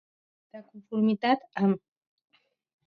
De conformitat amb.